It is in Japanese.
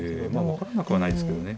分からなくはないですけどね。